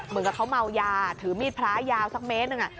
เหมือนกับเขาเมายาถือมีดพระยาวสักเมตรหนึ่ง